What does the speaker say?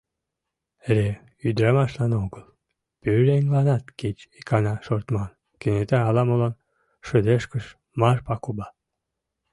Эре ӱдрамашлан огыл, пӧръеҥланат кеч икана шортман, — кенета ала-молан шыдешкыш Марпа кува.